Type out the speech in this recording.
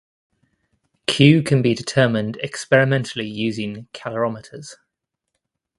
"Q" can be determined experimentally using calorimeters.